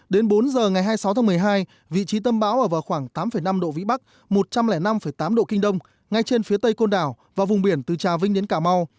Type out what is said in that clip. đến bốn giờ ngày hai mươi sáu tháng một mươi hai vị trí tâm bão ở vào khoảng tám năm độ vĩ bắc một trăm linh năm tám độ kinh đông ngay trên phía tây côn đảo và vùng biển từ trà vinh đến cà mau